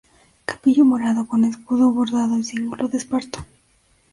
Capillo morado con escudo bordado y cíngulo de esparto.